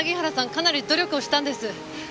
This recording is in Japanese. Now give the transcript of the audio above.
かなり努力をしたんです。